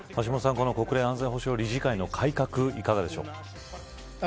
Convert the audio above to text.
橋下さん国連安全保障理事会の改革いかがでしょうか。